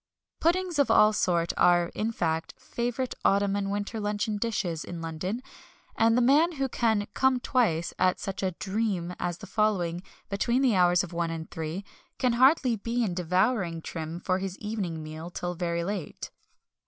Puddings of all sorts are, in fact, favourite autumn and winter luncheon dishes in London, and the man who can "come twice" at such a "dream" as the following, between the hours of one and three, can hardly be in devouring trim for his evening meal till very late.